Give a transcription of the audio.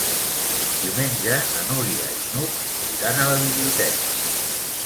Diumenge na Núria i n'Hug iran a la biblioteca.